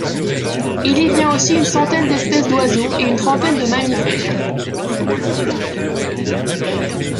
Il y vient aussi une centaine d'espèces d'oiseaux et une trentaine de mammifères.